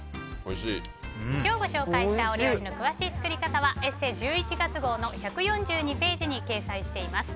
今日ご紹介した料理の詳しい作り方は「ＥＳＳＥ」１１月号の１４２ページに掲載しています。